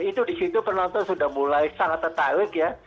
itu di situ penonton sudah mulai sangat tertarik ya